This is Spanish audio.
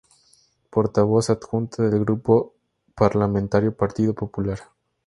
Portavoz Adjunta del Grupo Parlamentario Partido Popular.